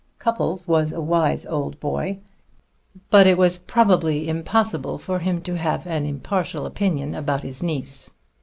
Cupples was a wise old boy, but it was probably impossible for him to have an impartial opinion about his niece.